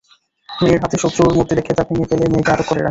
মেয়ের হাতে শত্রুর মূর্তি দেখে তা ভেঙ্গে ফেলে মেয়েকে আটকে রাখে ঘরে।